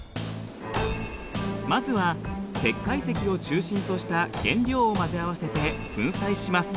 まずは石灰石を中心とした原料を混ぜ合わせて粉砕します。